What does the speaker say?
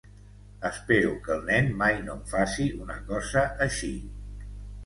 Espero que el nen mai no em faci una cosa així.